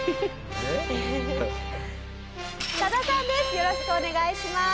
よろしくお願いします。